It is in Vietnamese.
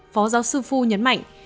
phó giáo sư phu nhấn mạnh